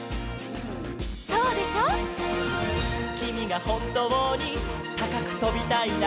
「きみがほんとうにたかくとびたいなら」